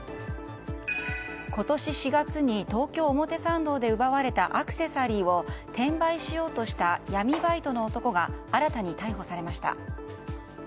今年４月に東京・表参道で奪われたアクセサリーを転売しようとした闇バイトの男が新たに逮捕されました。